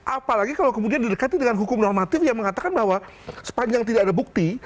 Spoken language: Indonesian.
apalagi kalau kemudian didekati dengan hukum normatif yang mengatakan bahwa sepanjang tidak ada bukti